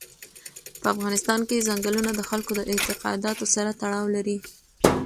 په افغانستان کې چنګلونه د خلکو د اعتقاداتو سره تړاو لري.